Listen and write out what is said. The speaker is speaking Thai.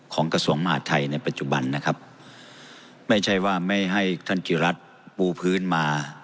กระทรวงมหาดไทยในปัจจุบันนะครับไม่ใช่ว่าไม่ให้ท่านจิรัตน์ปูพื้นมา